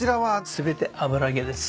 全て油揚げです。